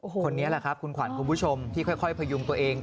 คนนี้แหละครับคุณขวัญคุณผู้ชมที่ค่อยพยุงตัวเอง